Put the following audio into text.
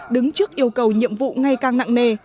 đứng trước yêu cầu nhiệm vụ ngày càng nặng nề